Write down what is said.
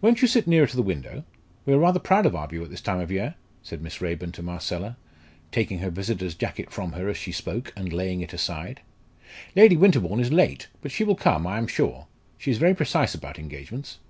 "Won't you sit nearer to the window? We are rather proud of our view at this time of year," said Miss Raeburn to Marcella, taking her visitor's jacket from her as she spoke, and laying it aside. "Lady Winterbourne is late, but she will come, I am sure. She is very precise about engagements."